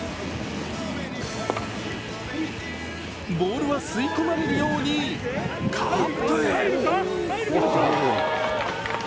ボールは吸い込まれるようにカップへ。